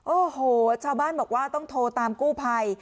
โอ้โหชาวบ้านบอกว่าต้องโทรตามกู้ภัย